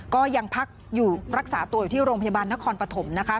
ก็ยังพักอยู่รักษาตัวอยู่ที่โรงพยาบาลนครปฐมนะคะ